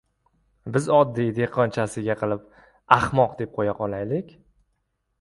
Biz oddiy dehqonchasiga qilib «ahmoq» deb qo‘ya qolaylik.